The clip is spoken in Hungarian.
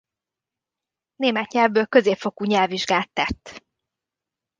Német nyelvből középfokú nyelvvizsgát tett.